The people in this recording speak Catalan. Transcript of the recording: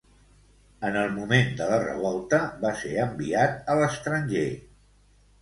En el moment de la revolta va ser enviat a l'estranger.